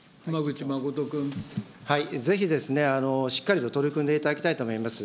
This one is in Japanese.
ぜひ、しっかりと取り組んでいただきたいと思います。